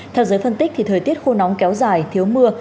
theo giới phân tích thì thời tiết khô nóng kéo dài thiếu mưa